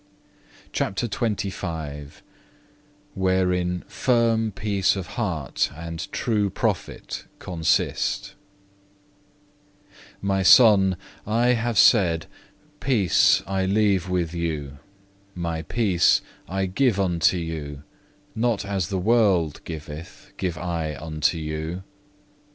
(1) John xxi. 22. (2) 1 Peter iv. 7. CHAPTER XXV Wherein firm peace of heart and true profit consist "My Son, I have said, Peace I leave with you, My peace I give unto you, not as the world giveth give I unto you.